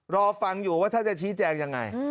รอฟังอยู่ว่าท่านจะชี้แจงยังไง